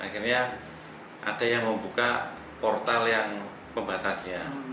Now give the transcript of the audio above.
akhirnya ada yang membuka portal yang pembatasnya